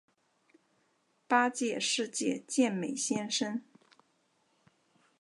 八届世界健美先生。